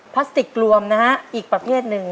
พลาสติกรวมนะฮะอีกประเภทหนึ่ง